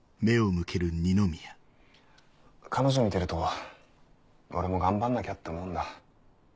彼女見てると俺も頑張んなきゃって思うんだ。